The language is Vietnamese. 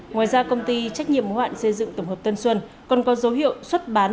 ngoài ra công ty trách nhiệm hữu hạn xây dựng tổng hợp tân xuân còn có dấu hiệu xuất bán